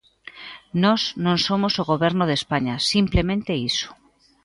Nós non somos o Goberno de España, simplemente iso.